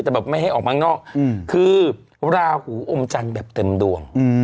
แต่แบบไม่ให้ออกมาข้างนอกคือราหูอมจันทร์แบบเต็มดวง